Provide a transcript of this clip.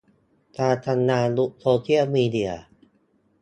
การทำงานยุคโซเซียลมีเดีย